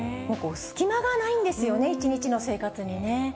隙間がないんですよね、１日の生活にね。